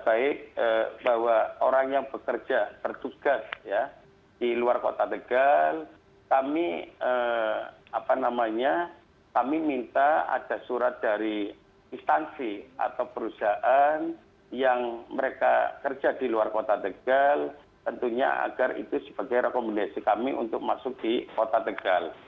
sekarang kita tetapkan kita tetapkan bahwa orang yang bekerja bertugas ya di luar kota tegal kami apa namanya kami minta ada surat dari instansi atau perusahaan yang mereka kerja di luar kota tegal tentunya agar itu sebagai rekomendasi kami untuk masuk di kota tegal